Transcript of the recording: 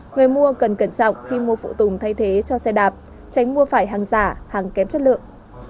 người mua cần cẩn trọng khi mua phụ tùng thay thế cho xe đạp tránh mua phải hàng giả hàng kém chất lượng